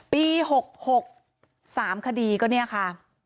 ปี๖๖๓คดีก็เนี่ยค่ะ